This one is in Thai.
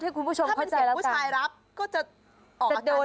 ให้คุณผู้ชมเข้าใจแล้วค่ะถ้าเป็นเสียงผู้ชายรับ